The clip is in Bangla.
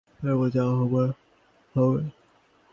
তারপর যা হবার আপনি হবে।